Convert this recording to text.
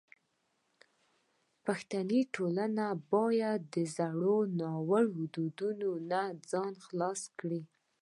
پښتني ټولنه باید د زړو ناوړو دودونو نه ځان خلاص کړي.